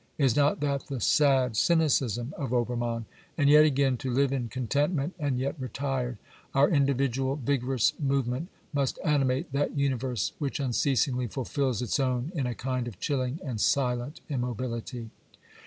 Is not that the sad cynicism of Obermann ? And yet again :" To live in contentment and yet retired, our individual vigorous move ment must animate that universe which unceasingly fulfils its own in a kind of chilling and silent immobiUty."